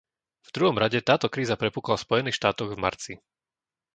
V druhom rade táto kríza prepukla v Spojených štátoch v marci.